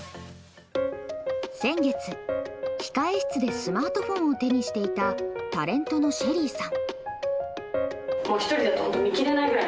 先月、控室でスマートフォンを手にしていたタレントのＳＨＥＬＬＹさん。